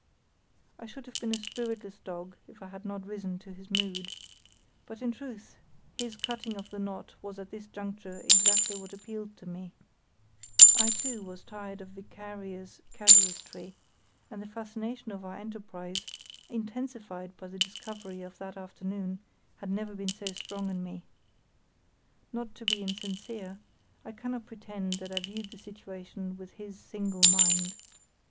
I should have been a spiritless dog if I had not risen to his mood. But in truth his cutting of the knot was at this juncture exactly what appealed to me. I, too, was tired of vicarious casuistry, and the fascination of our enterprise, intensified by the discovery of that afternoon, had never been so strong in me. Not to be insincere, I cannot pretend that I viewed the situation with his single mind.